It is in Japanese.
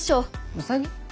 ウサギ？